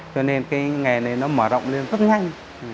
cho nên cái nghề này nó mở rộng lên rất nhanh